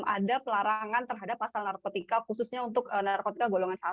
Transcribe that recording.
ada pelarangan terhadap pasal narkotika khususnya untuk narkotika golongan satu